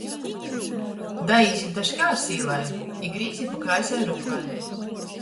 Daīsit da škārsīlys i grīzit pa kreisai rūkai!